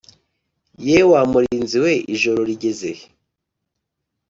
Ye wa murinzi we ijoro rigeze he